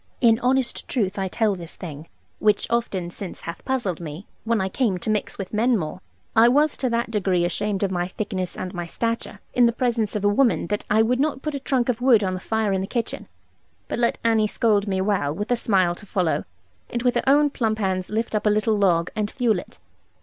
In honest truth I tell this thing, (which often since hath puzzled me, when I came to mix with men more), I was to that degree ashamed of my thickness and my stature, in the presence of a woman, that I would not put a trunk of wood on the fire in the kitchen, but let Annie scold me well, with a smile to follow, and with her own plump hands lift up a little log, and fuel it.